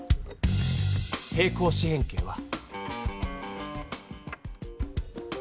平行四辺形は。